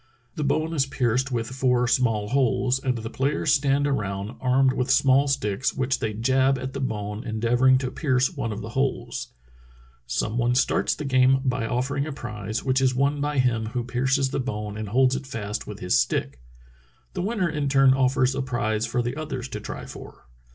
The bone is pierced with four small holes, and the players stand around, armed with small sticks * See map. on page 177. Schvvatka's Summer Search 315 with which they jab at the bone, endeavoring to pierce one of the holes. Some one starts the game by offering a prize, which is won by him who pierces the bone and holds it fast with his stick. The winner in turn offers a prize for the others to try for."